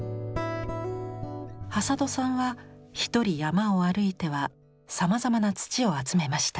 挾土さんはひとり山を歩いてはさまざまな土を集めました。